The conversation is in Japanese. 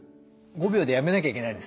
５秒でやめなきゃいけないんですね。